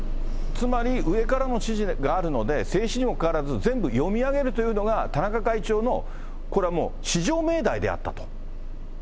つまり上からの指示があるので、制止にもかかわらず、全部読み上げるというのが、田中会長のこれはもう至上命題であったと。